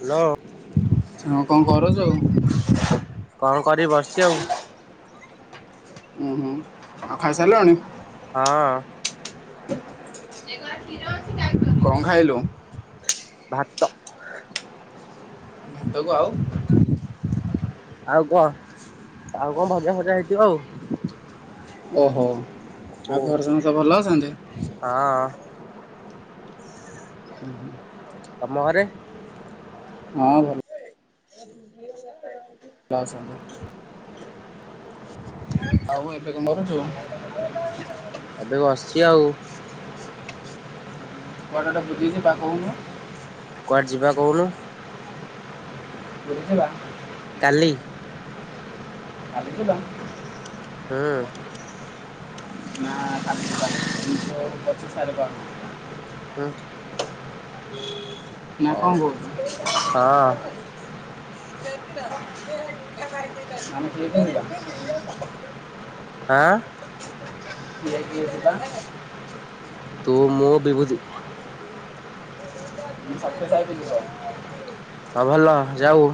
Hello. ହଁ କଣ କରୁଛୁ? କଣ କରିବି ବସିଛି ଆଉ। ଉଁ ହୁଁ ଆଉ ଖାଇସାରିଲନି? ହଁ। କଣ ଖାଇଲୁ? ଭାତ ଭାତକୁ ଆଉ ଆଉ କଣ ଆଉ କଣ ଭଜା ଫଜା ହେଇଥିବ ଆଉ। ଓହୋ ଓହୋ ଆଉ ଘରେ ସମସ୍ତେ ଭଲ ଅଛନ୍ତି? ହଁ। ହୁଁ ହୁଁ। ତମ ଘରେ? ହଁ ଭଲ। [unintelligible] [unintelligible] ସାଙ୍ଗ, ଆଉ ଏବେ କଣ କରୁଛୁ? ଏବେ ବସଛି ଆଉ। କୁଆଡେ ଗୋଟେ ବୁଜିକି ପାଖୋଉନୁ। କୁଆଡେ ଯିବା କହୁନୁ? ବୁଝିବା କାଲି କାଲି ଯିବା। ହୁଁ ଉଁ ନା କାଲି ଯିବାନି ଯୋଉ [unintelligible] ହୁଁ ନା କଣ କହୁଛୁ? ହଉ ହଁ ଆମେ କିଏ କିଏ ଯିବା [unintelligible] ଆଁ [unintelligible] ସେଟା। ତୁ, ମୁଁ, ବିଭୁତି ସତ୍ୟ ସାଇ ବି ଯିବ ହଁ ଭଲ ଯାଉ।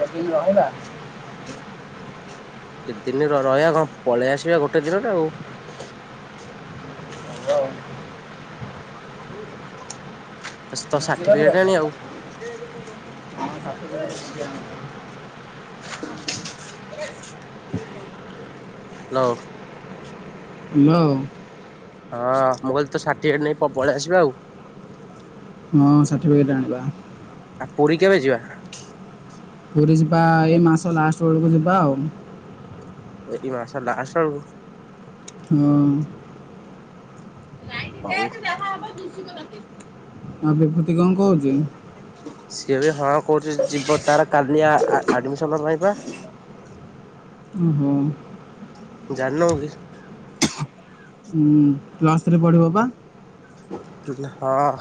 ଯଦି ନହେଲା କେତେ ଦିନ ରହିବା କଣ? ପଳେଇ ଆସିବା ଗୋଟେ ଦିନରେ ଆଉ। ହଉ ଆଉ ତ ଭୋଜି କରିବା ସାର୍ଟିଫିକେଟ କି? ଆଣି ଆଉ ହଁ ସାତକୁ ଗୋଟେ ଭୋଜି ଆଣିବା। ହାଲୋ ଲୋ ହଁ ମୁଁ କହିଲି ତ ସାର୍ଟିଫିକେଟ ନେଇ ପଳେଇ ଆସିବା ଆଉ। ହଁ ସାର୍ଟିଫିକେଟ ଆଣିବା। ଆ ପୁରୀ କେବେ ଯିବା? ପୁରୀ ଯିବା, ଏଇ ମାସ ଲାଷ୍ଟ ବେଳକୁ ଯିବା ଆଉ। ଏଇ ମାସ ଲାଷ୍ଟ ଆଳୁ। ହୁଁ ଉ ହଉ। ଆ ବିଭୂତି କଣ କହୁଛି? ସିଏ ବି ହଁ କରୁଛି, ଯିବ ତାର କାଲି ଆ ଆ ଆଡମିସନ ପାଇଁ ପା। ଓହୋ। ଜାଣି ନଉ କି? ହୁଁ ଉଁ ପ୍ଲସ ଥ୍ରୀ ପଢିବ ପା? ହଁ ଅ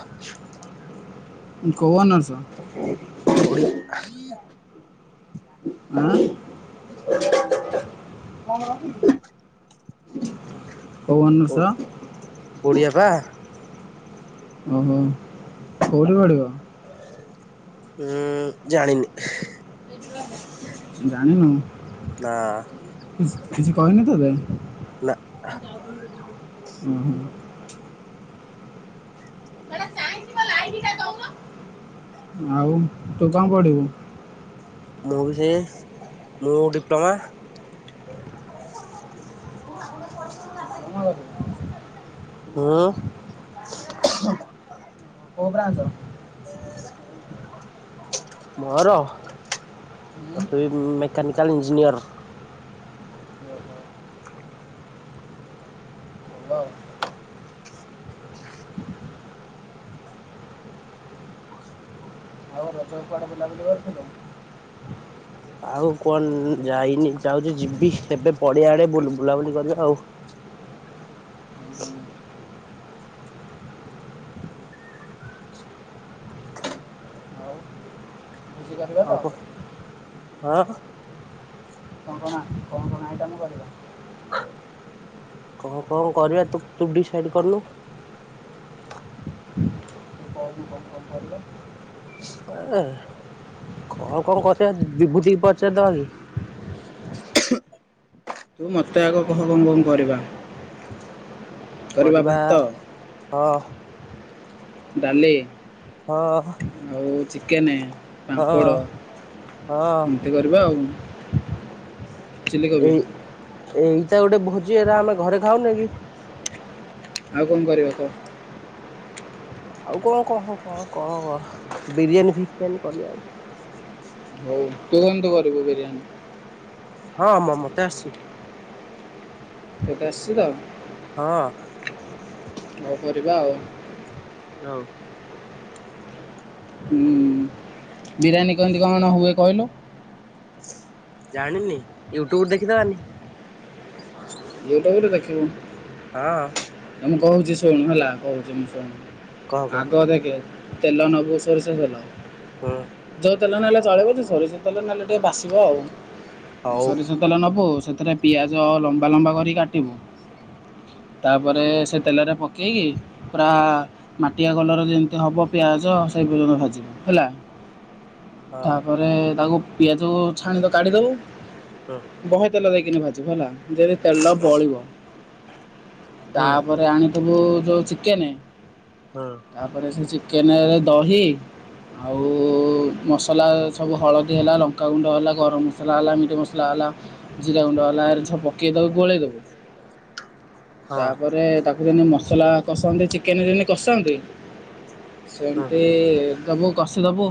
କୋଉ ଅନର୍ସ? ଓଡିଆ। ଆଁ [inaudible] କଣ କରନ୍ତି କି? କୋଉ ଅନର୍ସ? ଓଡ଼ିଆ ପା। ଓହୋ, କୋଉଠି ପଡିବ? ଉୁଁ, ଜାଣିନି। [unintelligible] ଜାଣିନଉ? ନା। କିଛି କିଛି କହନି ତତେ? ନା। ଉଁ ହୁଁ। [unintelligible] ଆଉ ତୁ କଣ ପଢ଼ିବୁ? ମୁଁ ବି ସେଇ ମୁଁ ଡିପ୍ଲୋମା। ହୁଁ। କୋଉ ବ୍ରାଞ୍ଚର? ମୋର ପକେଇବି ମେକାନିକାଲ ଇଞ୍ଜିନିୟର। ଆଉ ରଜକୁ କୁଆଡେ ବୁଲାବୁଲି କରିଥିଲୁ? ଆଉ କଣ ଯାଇନି ଯାଉଚି ଯିବି ଏବେ ପଡିଆ ଆଡେ ବୁଲୁ ବୁଲାବୁଲି କରିବା ଆଉ। ଆଉ ଭୋଜି କରିବା ତ ଆଉ କଃ ହଁ। କଣ କଣ ଆ କଣ କଣ ଆଇଟମ କରିବା? କଣ କଣ କରିବା ତୁ ତୁ ଡିସାଇଡ୍ କରୁନୁ। ତୁ କୋହୁନୁ କଣ କଣ କରିବା? ଏ କଣ କଣ କରିବା ବିଭୂତିକୁ ପଚାରି ଦବା କି? ତୁ ମତେ ଆଗ କହ କଣ କଣ କରିବା? କରିବା ହଁ। ଡାଲି ହଁଅ। ଆଉ ଚିକେନେ, ପାମ୍ପଡ଼ ହଁ ଏ କରିବା ଆଉ ଚିଲ୍ଲି କୋବି ଏଇ ଏଇଟା ଗୋଟେ ଭୋଜି ଏରା ଆମେ ଘରେ ଖାଉନେ କି? ଆଉ କଣ କରିବା କହ? ଆଉ କଣ କହ କଣ କଅ ବିରିୟାନୀ ଫିରିୟାନୀ କରିଆ। ଉଁ ତୁ କିନ୍ତୁ କରିବୁ ବିରିୟାନୀ। ହଁ ମ-ମତେ ଆସଚି ତତେ ଆସଚି ତ? ହଁ। ହୋଉ କରିବା ଆଉ। ହୋଉ। ହୁଁ ବିରିୟାନୀ କେମିତି କଣ ହୁଏ କହିଲ? ଜାଣିନି ୟୁଟ୍ୟୁବରୁ ଦେଖିଦବାନି। ୟୁଟୁବରେ ଦେଖିବୁ। ହଁ। ନାଇଁ ମୁଁ କୋହୁଚି ଶୁଣ ହେଲା କୋହୁଚି ମୁଁ କହ ଶୁଣୁ କହ ଆଗ ଦେଖେ ତେଲ ନୋବୁ ଶୋରିଷ ତେଲ। ହୁଁ ଯୋଉ ତେଲ ନେଲେ ଚଳିବ ଯେ ଶୋରିଷ ତେଲ ନେଲେ ଟିକେ ବାସିବ ଆଉ ହଉ ଶୋରିଷ ତେଲ ନବୁ ସେଥିରେ ପିଆଜ ଲମ୍ବା ଲମ୍ବା କର କାଟିବୁ। ତାପରେ ସେ ତେଲରେ ପକେଇକି ପୁରା ମାଟିଆ କଲର ଯେମତି ହେବ ପିଆଜ ସେଇ ପର୍ଯ୍ୟନ୍ତ ଭାଜିବୁ ହେଲା। ହଁ। ତାପରେ ତାକୁ ପିଆଜକୁ ଛାଣିତ କାଢିଦୋବୁ। ହଁ। ବହେ ତେଲ ଦେଇକିନି ଭାଜିବୁ ହେଲା ଯେତି ତେଲ ବଳିବ ହୁଁ ତାପରେ ଆଣିବୁ ସବୁ ଯୋଉ ଚିକେନେ ହଁ। ତାପରେ ସେ ଚିକେନରେ ଦହି ଆଉ ମସଲା ସବୁ ହଳଦୀ ହେଲା, ଲଙ୍କାଗୁଣ୍ଡ ହେଲା, ଗରମ ମସଲା ହେଲା, ମିଟ୍ ମସଲା ହେଲା ଜିରା ଗୁଣ୍ଡ ହେଲା ଏରା ସବୁ ପକେଇ ତାକୁ ଗୋଳେଇଦୋବୁ ହଁ ତାପରେ ତା ବିରିୟାନୀ ମସଲା କଷାନ୍ତି ଚିକେନ୍ ଯେମତି କଷନ୍ତି ହୁଁ ସେମତି ଦବୁ କଷିଦବୁ।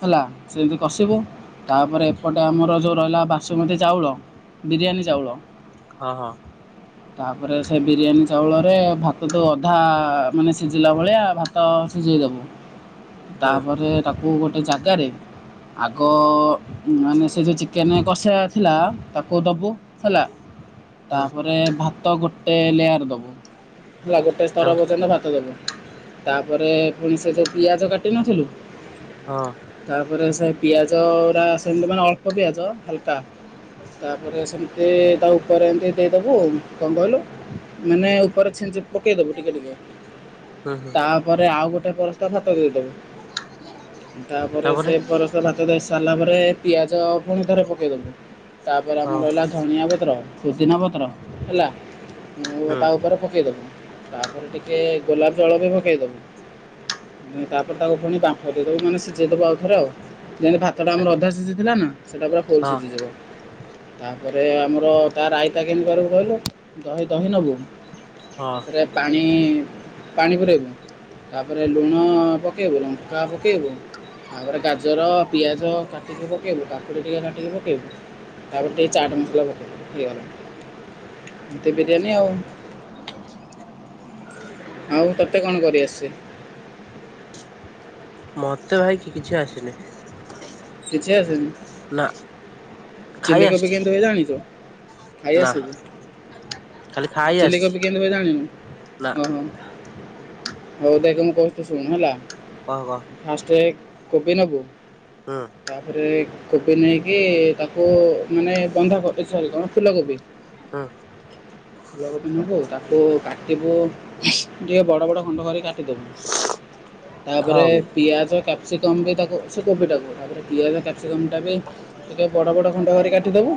ହେଲା ସେମିତି କଷିବୁ ତାପରେ ଏପଟେ ଆମର ଯୋଉ ରହିଲା ବାସୁମତୀ ଚାଉଳ ବିରିୟାନୀ ଚାଉଳ। ହଁ ହଁ। ତା ପରେ ସେ ବିରିୟାନୀ ଚାଉଳରେ ଭାତ ତ ଅଧା ମାନେ ସିଝିଲା ଭଳିଆ ଭାତ ସିଝାଇ ଦବୁ। ହୁଁ ତାପରେ ତାକୁ ଗୋଟେ ଜାଗାରେ ଆଗ ମାନେ ସେ ଯେଉ ଚିକେନ୍ କଷା ଥିଲା ତାକୁ ଦବୁ ହେଲା ହୁଁ ତାପରେ ଭାତ ଗୋଟେ ଲେୟାର ଦବୁ ହେଲା ଗୋଟେ ତର ତାପରେ ପର୍ଯ୍ୟନ୍ତ ଭାତ ଦବୁ। ତାପରେ ପୁଣି ସେ ଯୋଉ ପିଆଜ କାଟି ନଥିଲୁ ହଁ ତାପରେ ସେ ପିଆଜ ଓରା ସେମିତି ମାନେ ଅଳ୍ପ ପିଆଜ ଆଲ ତା ତାପରେ ସେମିତି ତା ଉପରେ ଏମିତି ଦେଇଦେବୁ କ ଣ କହିଲୁ ମାନେ ଉପରେ ଛିଞ୍ଚି ପକେଇଦବୁ ଟିକେ ଟିକେ ହୁଁ ହୁଁ ତାପରେ ଆଉ ଗୋଟେ ପରସ୍ଥ [unintelligible] ଦେଇଦବୁ ତାପରେ ସେ ପରସ୍ଥ ଭାତ ଫାତ ଦେଇ ସାରିଲା ପରେ ପିଆଜ ପୁଣି ଥରେ ପକେଇ ଦିବୁ ତାପରେ ଆମର ହଁ ରହିଲା ଧଣିଆ ବତ ତ୍ର ପୁଦିନା ପତ୍ର ହେଲା ହୁଁ ତା ଉପରେ ପକାଇଦବୁ ତାପରେ ଟିକେ ଗୋଲାପ ଜଳ ବି ପକେଇଦବୁ। ତାପରେ ତାକୁ ପୁଣୀ ବାମ୍ଫଦେଇଦବୁ ମାନେ ସିଝେଇଦବୁ ଆଉ ଥରେ ଆଉ ଯିମତି ଭାତ ତଟା ଆମର ଅଧା ସିଝି ଥିଲା ନା ସେଇଟା ପୁରା ଫୁଲ ହଁ ସିଝିଯିବ ତାପରେ ଆମର ତା ରାଇତା କେମିତି କରିବୁ କହିଲୁ ଦହି ଦହି ନେବୁ ହଁ ତା ପରେ ପାଣି ପାଣି ପୁରେଇବୁ ତାପରେ ଲୁଣ ପକେଇବୁ ଲଙ୍କା ପକେଇବୁ ତାପରେ ଗାଜର ପିଆଜ କାଟିକି ପକେଇବୁ କାକୁଡି ଟିକେ କାଟିକି ପକେଇବୁ ତାପରେ ଟିକେ ଚାଟ ମସଲା ପକେଇବୁ ହେଇଗଲା ଏ [unintelligible] ବିରିୟାନୀ ଆଉ [inaudible] ଆଉ ତତେ କଣ କରିଆସେ ମତେ ଭାଇ କିଛି ଆସିନି। କିଛି ଆସେନି। ନା ଖାଇ ଚିଲିକୋବି ଆସିଛି କେମିତି ହୁଏ ଜାଣିଛ? ଖାଇ ନା ଆସେ ଖାଲି ଖାଇ ଆସିଛି ଚିଳିକୋବି କେମତି ହୁଏ ନା ଜାଣିନୁ ଓ ହୋ ହଉ ଦେଖେ, ମୁଁ କହୁଚି ତୁ ଶୁଣୁ ହେଲା। କଣ କହ ଫାଷ୍ଟେ କୋବି ନବୁ। ହଁ ତାପରେ କୋବି ନେଇକି ତାକୁ ମାନେ ବନ୍ଧାକୋବି ସରି କଣ ଫୁଲକୋବି। ହୁଁ ଫୁଲକୋବି ନବୁ ତାକୁ କାଟିବୁ ଟିକେ ବଡ଼ ବଡ଼ ଖଣ୍ଡ କରି କାଟିଦେବୁ ତାପରେ ହଁ ପିଆଜ, କ୍ୟାପସିକମ୍ ଦେଇ ତାକୁ ସେ କୋବିଟାକୁ ତାପରେ ପିଆଜ କାପ କ୍ୟାପ୍ସିକମ୍ ଟା ବି ଟିକେ ବଡ଼ ବଡ଼ ଖଣ୍ଡ କରି କାଟିଦବୁ।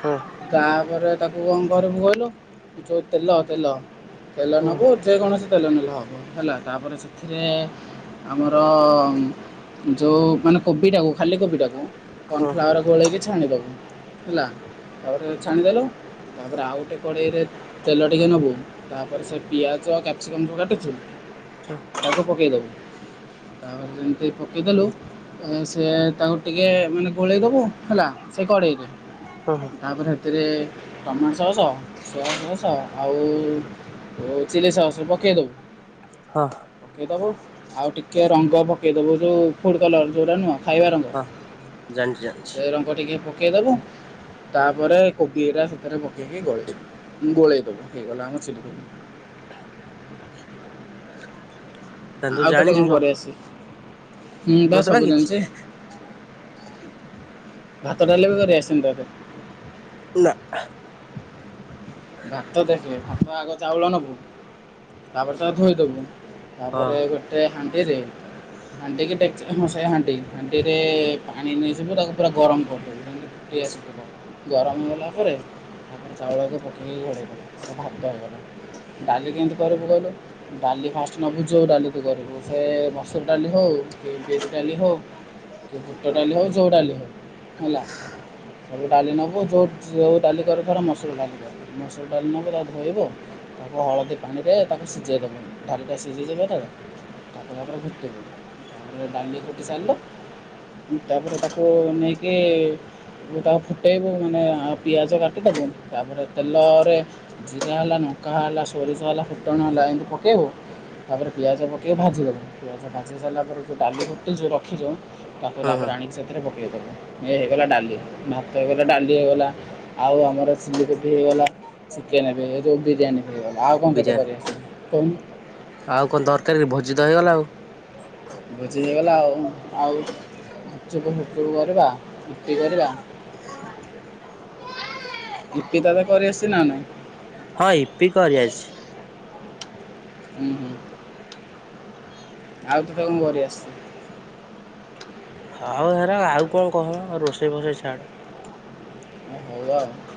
ହଁ ତାପରେ ତାକୁ କଣ କରିବୁ କହିଲୁ, ଯୋଉ ତେଲ ତେଲ ତେଲ ହଁ ନବୁ ଯେକୌଣସି ତେଲ ନେଲେ ବି ହବ ହେଲା। ତାପରେ ସେଥିରେ ଆମର ଯୋଉ ମାନେ କୋବିଟାକୁ ଖାଲି କୋବିଟାକୁ ହଁ କର୍ଣଫ୍ଲାୱାର ଗୋଳେଇକି ଛାଣିଦବୁ, ହେଲା ତାପରେ ଛାଣିଦେଲୁ ତାପରେ ଆଉ ଗୋଟେ କଡ଼େଇରେ ତେଲ ଟିକେ ନବୁ, ତାପରେ ସେ ପିଆଜ ଆଉ କ୍ୟାପ୍ସିକମ୍ ଯୋଉ କାଟିଛୁ। ତାକୁ ପକେଇଦବୁ। ତାପରେ ଯେମିତି ପକେଇଦେଲୁ, ସେ ତାକୁ ଟିକେ ମାନେ ଗୋଳେଇ ଦେବୁ ହେଲା, ସେ କଡ଼େଇରେ। ହଁ ତାପରେ ସେଥିରେ ଟମାଟୋ ସସ୍ ସୋୟା ସସ ଆଉ ଚିଲି ସସ ପକେଇ ଦବୁ। ହଁ ପକେଇଦବୁ ଆଉ ଟିକେ ରଙ୍ଗ ପକେଇଦବୁ ଯୋଉ ଫୁଡ୍ କଲର ଯୋଉଟା ନୁହଁ ଖାଇବା ରଙ୍ଗ ହଁ ଜାଣିଚି ଜାଣିଚି। ସେ ରଙ୍ଗ ଟିକେ ପକେଇଦେବୁ, ତାପରେ କୋବିଉରା ସେଥିରେ ପକେଇକି ଗୋଳେଇଦବୁ ଗୋଳେଇ ଦବୁ ହେଇଗଲା ଆମର ଚିଲିକୋବି। [inaudible] ଆଉ ତତେ ଜାଣିଛୁ କଣ ସବୁ କରିଆସେ, ମୁଁ ପା ମତେ ସବୁ ମାଗିଛି ଜାଣିଛି। ଭାତ ଡାଲି ବି କରିଆସେନି ତତେ। ନା। ଭାତ ଦେଖିଲେ ଭାତ ଆଗ ଚାଉଳ ନେବୁ ତାପରେ ତା ଧୋଇଦବୁ ହଁ ତାପରେ ଗୋଟେ ହାଣ୍ଡିରେ ହାଣ୍ଡି କି ଡେକ୍ଚି ହଁ ସେ ହାଣ୍ଡି, ହାଣ୍ଡିରେ ପାଣି ନେଇଯିବୁ ତାକୁ ପୁରା ଗରମ କରିଦବୁ ଗରମ ହେଲା ପରେ ଚାଉଳକୁ ପକେ ଏଇ ଘୋଡେଇସବୁ ଭାତ ହେଇଗଲା, ଡାଲି କେମିତି କରିବୁ କହିଲୁ? ଡାଲି ଫାଷ୍ଟ ନବୁ ଯୋଉ ଡାଲି ତୁ କରିବୁ, ସେ ମସୁର ଡାଲି ହଉ କି ବିରି ଡାଲି ହଉ କି ବୁଟ ଡାଲି ହଉ ଯଉ ଡାଲି ହଉ ହେଲା ଡାଲି ନେବ ଯୋଉ ଯୋଉ ଡାଲି କରୁ ମସୁର ଡାଲିି ମସୁର ଡାଲି ନେବୁ ତା ଧୋଇବ ତାପରେ ହଳଦୀ ପାଣିରେ ତାକୁ ସିଝାଇ ଦେବୁ। ଡାଲି ଟା ସିଜିଯିବ ଏତ [inaudible] ତାପରେ ତାକୁ ନେଇକି ଗଟା ଫୁଟେଇବ ମାନେ ଆଉ ପିଆଜ କାଟି ଦେବ ତାପରେ ତେଲରେ ଜିରା ହେଲା ଲକା ହେଲା ସୋରିଷ ହେଲା ଫୁଟଣ ହେଲା ଏମିତି ପକେଇବୁ ତାପରେ ପିଆଜ ପକେଇ ଭାଜିଦବୁ ପିଆଜ ଭାଜି ସାରିଲା ପରେ ଯେଉଁ ଡାଲି ଗୋଟେ ଯେଉଁ ରଖିଥିବ ତାକୁ ହଁ ତାପରେ ହଁ ଆଣି ସେଥିରେ ପକେଇଦବୁ ଏ ହେଇଗଲା ଡାଲି। ଭାତ ହେଇଗଲା, ଡାଲି ହୋଇଗଲା, ଆଉ ଆମର ଚିଲିକୋବି ଫ ହେଇଗଲା ଚିକେନ ଏବେ ଯେଉ ବିରିୟାନୀ ହେଇଗଲା ଆଉ କଣ ତତେ ବିରିୟାନୀ କରିଆସି କହୁ ଆଉ କଣ ଦରକାରୀ କି ଭୋଜି ତ ହେଇଗଲା ଆଉ। ବୁଜିି ହେଇଗଲା ଆଉ ଆଉ ଗୁପଚୁପ୍ କରିବା ୟିପି କରିବା ଇ ତତେ କରି ଆସିଛି ନା ନାଇଁ? ହଁ ଇପି କରିଆଛି। ହୁଁ ହୁଁ। ଆଉ ତତେ କଣ କରିଆସେ। ହଉ ହେରା ଆଉ କଣ କହମ ରୋଷେଇ ଫୋଷେଇ ଛାଡ। ହଉ ବା [unintelligible]